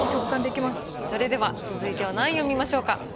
もうそれでは続いては何位を見ましょうか？